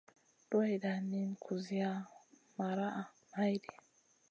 Duwayda niyn kusiya maraʼha maydi.